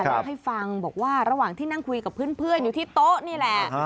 เล่าให้ฟังบอกว่าระหว่างที่นั่งคุยกับเพื่อนอยู่ที่โต๊ะนี่แหละ